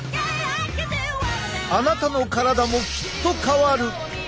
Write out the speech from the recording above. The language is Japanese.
あなたの体もきっと変わる！